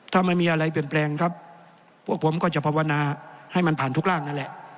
ถ้าไม่มีอะไรเปลี่ยนแปลงครับพวกผมก็จะภาวนาให้มันผ่านทุกร่างนั่นแหละ